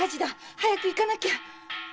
早く行かなきゃ！